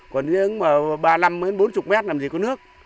còn giếng mà ba mươi năm bốn mươi mét làm gì có nước